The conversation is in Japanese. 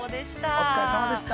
◆お疲れさまでした。